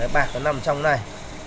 bạc nó nằm trong này